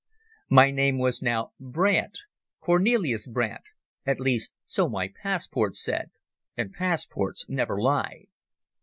My name was now Brandt, Cornelis Brandt—at least so my passport said, and passports never lie.